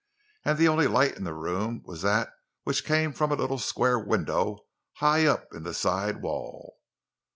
And the only light in the room was that which came from a little square window high up in the side wall.